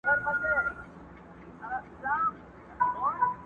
هرڅه بدل دي، د زمان رنګونه واوښتله.!